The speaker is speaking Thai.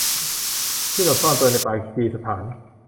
ที่หลบซ่อนตัวในปากีสถาน